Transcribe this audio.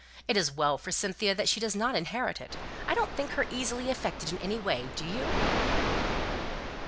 It is well for Cynthia that she does not inherit it; I don't think her easily affected in any way, do you?"